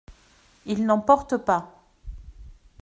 Ils n’en portent pas !